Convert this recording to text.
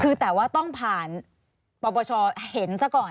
คือแต่ว่าต้องผ่านปปชเห็นซะก่อน